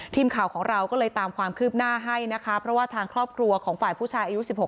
ทีมข่าวของเราก็เลยตามความคืบหน้าให้นะคะเพราะว่าทางครอบครัวของฝ่ายผู้ชายอายุ๑๖